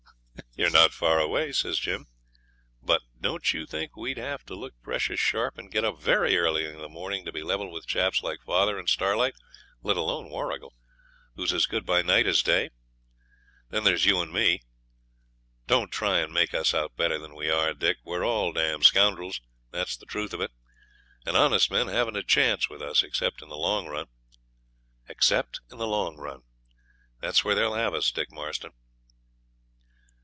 'You're not far away,' says Jim; 'but don't you think they'd have to look precious sharp and get up very early in the morning to be level with chaps like father and Starlight, let alone Warrigal, who's as good by night as day? Then there's you and me. Don't try and make us out better than we are, Dick; we're all d scoundrels, that's the truth of it, and honest men haven't a chance with us, except in the long run except in the long run. That's where they'll have us, Dick Marston.'